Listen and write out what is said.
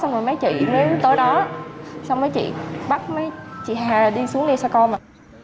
mẹ chị mới đến tới đó xong mẹ chị bắt mẹ chị hà đi xuống đây xa con mà